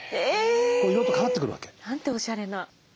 いろいろと変わってくるわけ。なんておしゃれな。